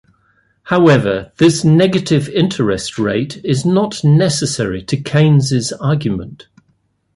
However, this negative interest rate is not necessary to Keynes's argument.